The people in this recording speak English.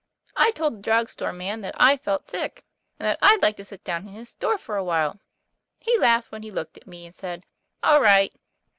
I told the drug store man that I felt sick, and that I'd like to sit down in his store for a while. He laughed when he looked at me, and said, * All right.